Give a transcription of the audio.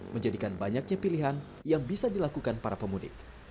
menjadikan banyaknya pilihan yang bisa dilakukan para pemudik